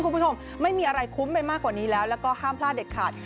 คุณผู้ชมไม่มีอะไรคุ้มไปมากกว่านี้แล้วแล้วก็ห้ามพลาดเด็ดขาด